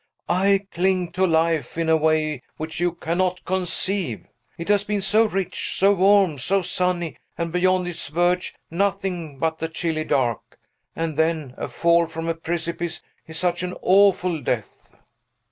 "I cling to life in a way which you cannot conceive; it has been so rich, so warm, so sunny! and beyond its verge, nothing but the chilly dark! And then a fall from a precipice is such an awful death!"